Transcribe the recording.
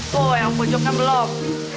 tuh yang pojoknya belum